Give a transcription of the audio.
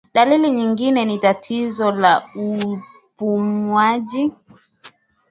Dalili nyingine ni tatizo la upumuaji